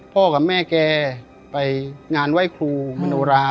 พ่อกับแม่แกไปงานไหว้ครูมโนรา